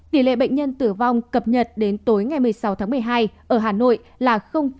tỷ lệ bệnh nhân tử vong cập nhật đến tối ngày một mươi sáu tháng một mươi hai ở hà nội là một